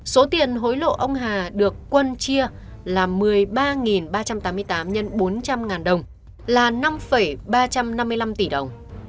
số tiền hối lộ ông hà được quân chia là một mươi ba ba trăm tám mươi tám x bốn trăm linh ngàn đồng là năm ba trăm năm mươi năm tỷ đồng